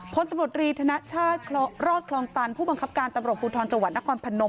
พตรธนชาติรอดคลองตันผู้บังคับการตำรวจภูทรจวัตรนครพนม